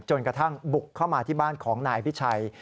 กระทั่งบุกเข้ามาที่บ้านของนายอภิชัย